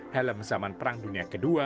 helm zaman perang dunia ke dua